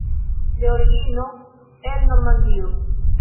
De origino el Normandio.